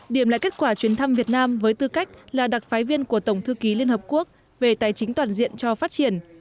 điểm lại kết quả chuyến thăm việt nam với tư cách là đặc phái viên của tổng thư ký liên hợp quốc về tài chính toàn diện cho phát triển